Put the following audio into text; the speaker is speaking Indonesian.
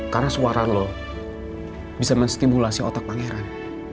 karena suara lo bisa menstimulasi otak pangeran